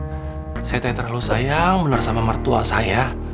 bu dokter saya tak terlalu sayang benar sama mertua saya